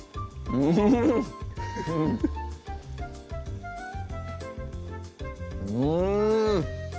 うんうん！